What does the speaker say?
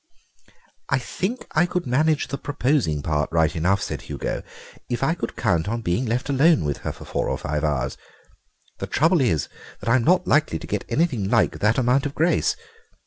"I think I could manage the proposing part right enough," said Hugo, "if I could count on being left alone with her for four or five hours. The trouble is that I'm not likely to get anything like that amount of grace.